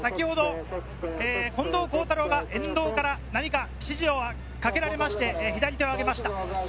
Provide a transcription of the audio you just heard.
この集団の中では先ほど近藤幸太郎が沿道から何か指示をかけられまして、左手を上げました。